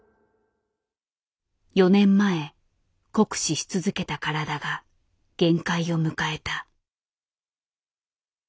４年前酷使し続けた体が限界を迎えた。